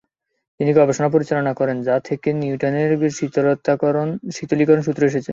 তিনি গবেষণা পরিচালনা করেন যা থেকে নিউটনের শীতলীকরণ সূত্র এসেছে।